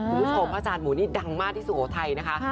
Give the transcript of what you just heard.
พระอาจารย์หมูนี่ดังมากที่สุโขทัยนะคะ